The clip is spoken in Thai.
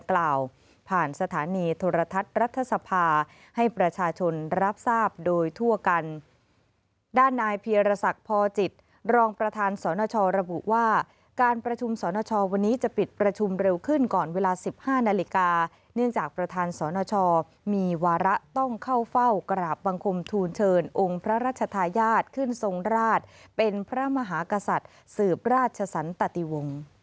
กล่าวผ่านสถานีโทรทัศน์รัฐสภาให้ประชาชนรับทราบโดยทั่วกันด้านนายเพียรศักดิ์พอจิตรองประธานสนชระบุว่าการประชุมสรณชอวันนี้จะปิดประชุมเร็วขึ้นก่อนเวลาสิบห้านาฬิกาเนื่องจากประธานสนชมีวาระต้องเข้าเฝ้ากราบบังคมทูลเชิญองค์พระราชทายาทขึ้นทรงราชเป็นพระมหากษัตริย์สืบราชสันตติวงศ์